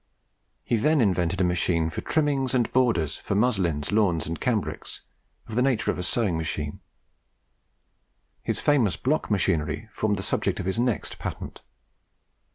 He then invented a machine for trimmings and borders for muslins, lawns, and cambrics, of the nature of a sewing machine. His famous block machinery formed the subject of his next patent.